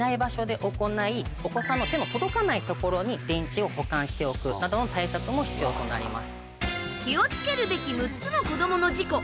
お子さんの手の届かない所に電池を保管しておくなどの対策も必要となります。